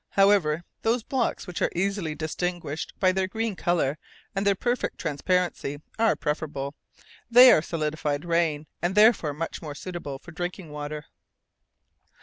However, those blocks which are easily distinguished by their greenish colour and their perfect transparency are preferable. They are solidified rain, and therefore much more suitable for drinking water.